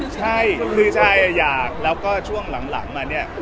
ใช่คือใช่อยากแล้วก็ช่วงหลังมาเนี่ย